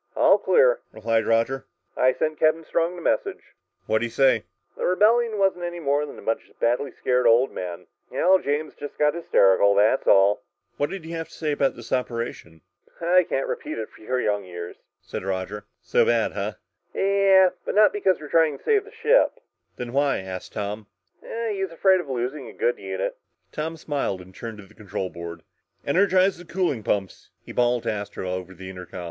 "All clear," replied Roger. "I sent Captain Strong the message." "What'd he say?" "The rebellion wasn't anything more than a bunch of badly scared old men. Al James just got hysterical, that's all." [Illustration: A low muted roar pulsed through the ship] "What did he have to say about this operation?" "I can't repeat it for your young ears," said Roger. "So bad, huh?" "Yeah, but not because we're trying to save the ship." "Then why?" asked Tom. "He's afraid of losing a good unit!" Tom smiled and turned to the control board. "Energize the cooling pumps!" he bawled to Astro over the intercom.